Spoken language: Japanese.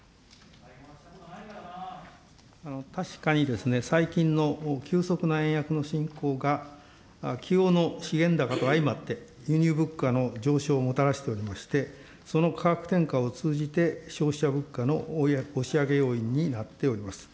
確かにですね、最近の急速な円安の進行がの資源高と相まって、輸入物価の上昇をもたらしておりまして、その価格転嫁を通じて消費者物価の押し上げ要因になっています。